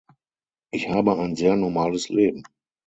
Ich habe ein sehr normales Leben.